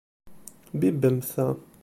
Bibbemt ta.